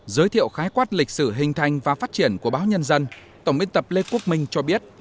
giới thiệu khái quát lịch sử hình thành và phát triển của báo nhân dân tổng biên tập lê quốc minh cho biết